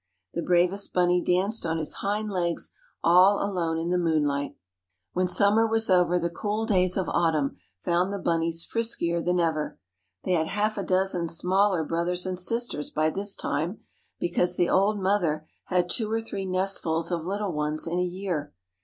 The bravest bunny danced on his hind legs all alone in the moonlight. When summer was over the cool days of autumn found the bunnies friskier than ever. They had half a dozen smaller brothers and sisters by this time, because the old mother had two or three nestfuls of little ones in a year.